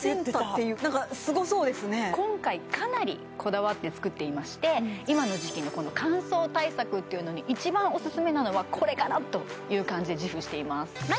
あと今今回かなりこだわって作っていまして今の時期の乾燥対策というのに一番オススメなのはこれかなという感じで自負していますマ